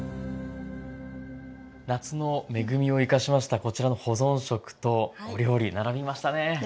夏の恵みを生かしましたこちらの保存食とお料理並びましたね。ね。